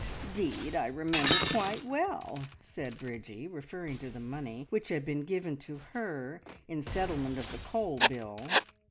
"'Deed, I remember quite well!" said Bridgie, referring to the money which had been given to her in settlement of the coal bill.